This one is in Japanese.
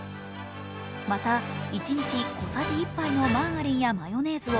また一日大さじ１杯のマーガリンやマヨネーズを